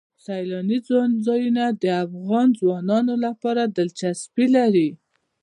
سیلانی ځایونه د افغان ځوانانو لپاره دلچسپي لري.